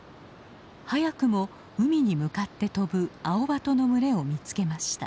早くも海に向かって飛ぶアオバトの群れを見つけました。